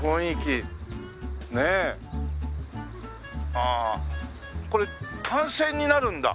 ああこれ単線になるんだ？